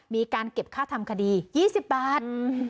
มีการเก็บค่าทำคดี๒๐บาท